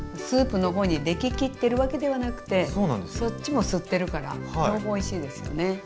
スープの方にでき切ってるわけではなくてそっちも吸ってるから両方おいしいですよね。